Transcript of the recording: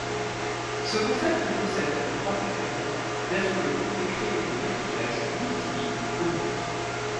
Ce concept possède comme particularité d'être le premier crayon de maquillage multi-lignes au monde.